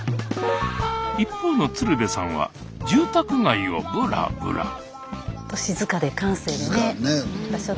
一方の鶴瓶さんは住宅街をブラブラスタジオ